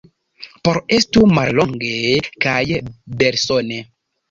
Por estu mallonge kaj belsone.